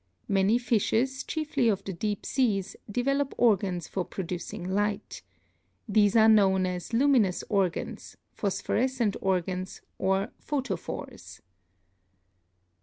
Many fishes, chiefly of the deep seas, develop organs for producing light. These are known as luminous organs, phosphorescent organs or photophores.